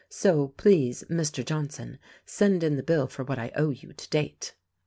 So, please, Mr. Johnson, send in the bill for what I owe you to date."